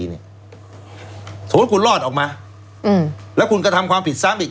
สมมุติคุณรอดออกมาแล้วคุณกระทำความผิดซ้ำอีก